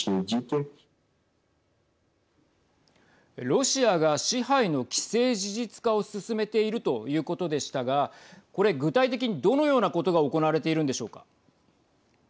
ロシアが支配の既成事実化を進めているということでしたがこれ、具体的にどのようなことが行われているんでしょうか。